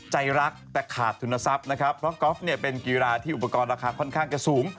ใจรักแต่ขาดทุนทรัพย์นะครับเพราะกอล์ฟเนี่ยเป็นกีฬาที่อุปกรณ์ราคาค่อนข้างจะสูง